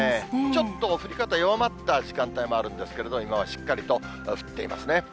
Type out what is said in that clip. ちょっと降り方、弱まった時間帯もあるんですけれども、今はしっかりと降っていますね。